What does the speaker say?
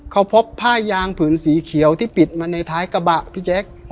เขาพบผ้ายางผืนสีเขียวที่ปิดมาในท้ายกระบะพี่แจ๊ค